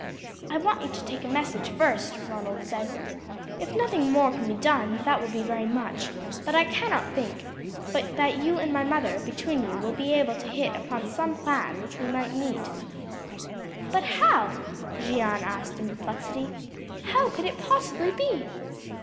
"I want you to take a message first," Ronald said. "If nothing more can be done that will be very much; but I cannot think but that you and my mother between you will be able to hit upon some plan by which we might meet." "But how," Jeanne asked in perplexity, "how could it possibly be?"